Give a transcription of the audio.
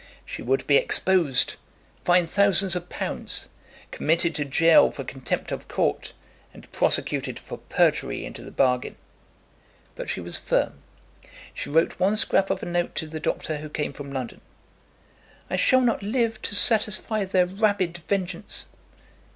She would be exposed, fined thousands of pounds, committed to gaol for contempt of court, and prosecuted for perjury into the bargain. But she was firm. She wrote one scrap of a note to the doctor who came from London, "I shall not live to satisfy their rabid vengeance."